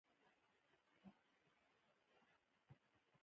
خو دا اضافي ارزښت په کوم ډول ترلاسه کېږي